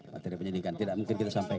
materi penyidikan tidak mungkin kita sampaikan